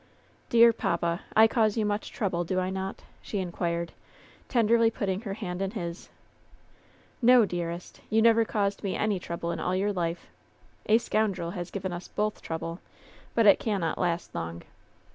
"Dear papa ! I cause you much trouble^ do I not ?" she inquired, tenderly, putting her hand in his. "No, dearest 1 You never caused me any trouble in all your life ! A scoundrel has given us both trouble ; but it cannot last long.